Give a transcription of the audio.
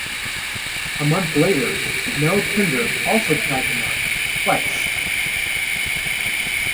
A month later Mel Pender also tied the mark, twice.